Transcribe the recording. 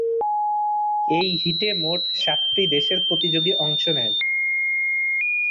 এই হিটে মোট সাতটি দেশের প্রতিযোগী অংশ নেয়।